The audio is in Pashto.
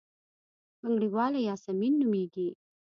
بنګړیواله یاسمین نومېږي.